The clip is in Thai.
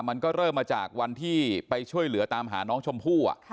มันก็เริ่มมาจากวันที่ไปช่วยเหลือตามหาน้องชมพู่